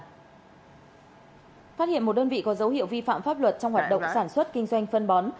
phát hiện một đơn vị có dấu hiệu vi phạm pháp luật trong hoạt động sản xuất kinh doanh phân bó